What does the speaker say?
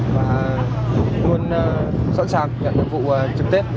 và luôn sẵn sàng nhận nhiệm vụ trực tế